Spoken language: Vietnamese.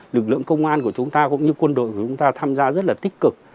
lực lượng công an của chúng ta cũng như quân đội của chúng ta tham gia rất là tích cực